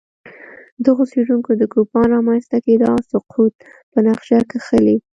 دغو څېړونکو د کوپان رامنځته کېدا او سقوط په نقشه کښلي